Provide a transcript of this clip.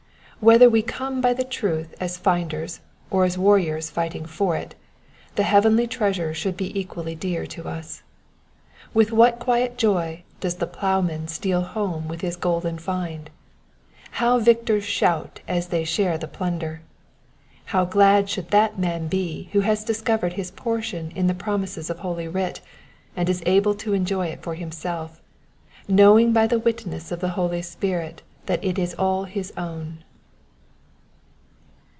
Whether we come by the truth as finders or as warriors fighting for it, the heavenly treasure should be equally dear to us. With what quiet joy does the ploughman steal home with his golden find ! How victors shout as they share the plunder I How glad should that man be who has discovered his portion in the promises of holy writ, and is able to enjoy it for himself, knowing by the witness of the Holy Spirit that it is all his own.